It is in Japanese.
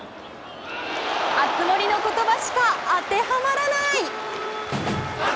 熱盛の言葉しか当てはまらない！